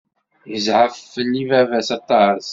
Yezɛef fell-i baba aṭas.